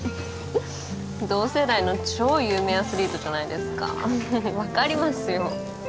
同世代の超有名アスリートじゃないですか分かりますよ